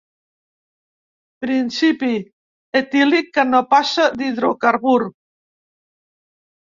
Principi etílic que no passa d'hidrocarbur.